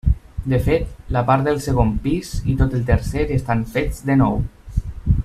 De fet, la part del segon pis i tot el tercer estan fets de nou.